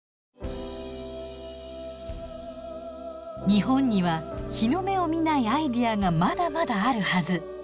日本には日の目を見ないアイデアがまだまだあるはず。